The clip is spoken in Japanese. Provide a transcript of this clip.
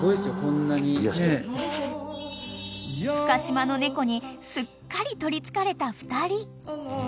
［深島の猫にすっかり取りつかれた２人］